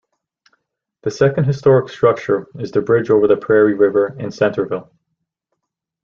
The second historic structure is the bridge over the Prairie River in Centreville.